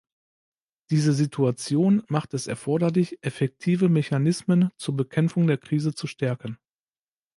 Diese Situation macht es erforderlich, effektive Mechanismen zur Bekämpfung der Krise zu stärken.